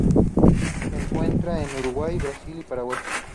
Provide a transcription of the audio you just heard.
Se encuentra en Uruguay, Brasil, Paraguay.